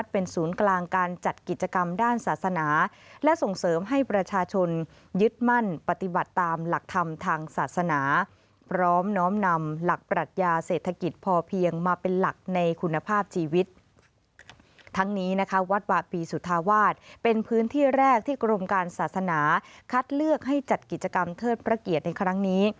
เป็นศูนย์กลางการจัดกิจกรรมด้านศาสนาและส่งเสริมให้ประชาชนยึดมั่นปฏิบัติตามหลักธรรมทางศาสนาพร้อมน้อมนำหลักปรัชญาเศรษฐกิจพอเพียงมาเป็นหลักในคุณภาพชีวิตทั้งนี้นะคะวัดวาปีสุธาวาสเป็นพื้นที่แรกที่กรมการศาสนาคัดเลือกให้จัดกิจกรรมเทิดพระเกียรติในครั้งนี้